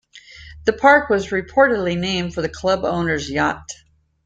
The park was reportedly named for the club owner's yacht.